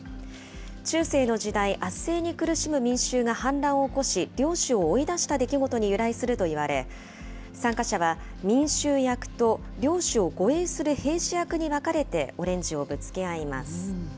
中世の時代、圧政に苦しむ民衆が反乱を起こし、領主を追い出した出来事に由来するといわれ、参加者は、民衆役と、領主を護衛する兵士役に分かれてオレンジをぶつけ合います。